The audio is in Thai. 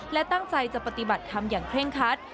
และตั้งใจจะปฏิบัติธรรมอย่างเคร่งคัด